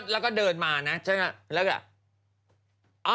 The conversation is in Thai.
แล้วก็เดินมานะแล้วก็